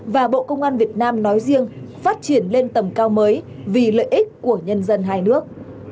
và bộ công an việt nam nói riêng phát triển lên tầm cao mới vì lợi ích của nhân dân hai nước